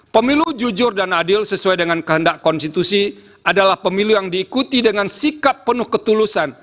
pemilu jujur dan adil sesuai dengan kehendak konstitusi adalah pemilu yang diikuti dengan sikap penuh ketulusan